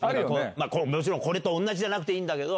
もちろんこれと同じじゃなくていいんだけど。